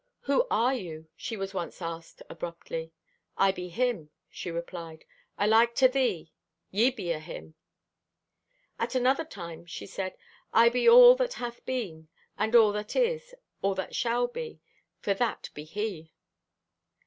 "Who are you?" she was once asked abruptly. "I be Him," she replied; "alike to thee. Ye be o' Him." At another time she said: "I be all that hath been, and all that is, all that shalt be, for that be He."